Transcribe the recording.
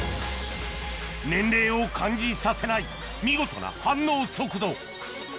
・年齢を感じさせない見事な反応速度